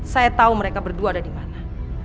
saya tahu mereka berdua ada dimana